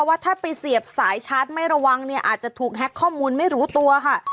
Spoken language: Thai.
ว่าถ้าไปเสียบสายชาร์จไม่ระวังเนี่ยอาจจะถูกแฮ็กข้อมูลไม่รู้ตัวค่ะ